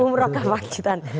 umroh ke pacitan